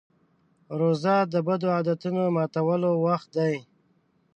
روژه د بدو عادتونو ماتولو وخت دی.